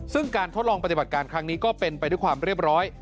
ซึ่งการทดลองปฏิบัติการครั้งนี้ก็เป็นไปด้วยความเรียบร้อย